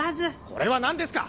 これは何ですか！